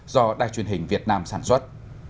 do đài truyền hình việt nam sản xuất